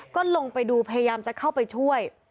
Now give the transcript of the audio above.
ก็ลงไปดูพยายามจะเข้าไปช่วย